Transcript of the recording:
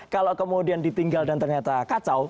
kalau kemudian ditinggal dan ternyata kacau